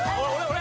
俺？